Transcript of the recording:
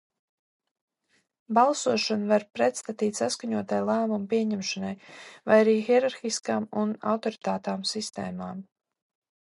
Balsošanu var pretstatīt saskaņotai lēmumu pieņemšanai vai arī hierarhiskām un autoritātām sistēmam.